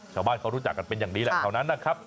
ชาวบ้านเขารู้จักกันเป็นอย่างดีแหละเท่านั้นนะครับ